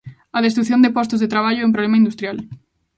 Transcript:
A destrución de postos de traballo é un problema industrial.